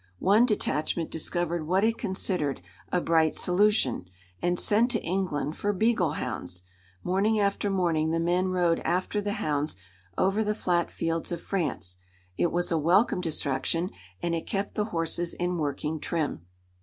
One detachment discovered what it considered a bright solution, and sent to England for beagle hounds. Morning after morning the men rode after the hounds over the flat fields of France. It was a welcome distraction and it kept the horses in working trim.